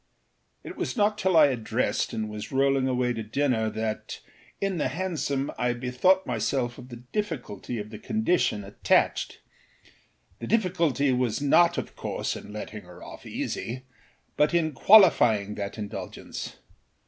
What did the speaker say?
â It was not till I had dressed and was rolling away to dinner that, in the hansom, I bethought myself of the difficulty of the condition attached. The difficulty was not of course in letting her off easy but in qualifying that indulgence.